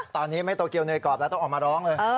ตอนนี้ไม่โตเกียวเนยกรอบแล้วต้องออกมาร้องเลย